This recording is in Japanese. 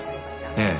ええ。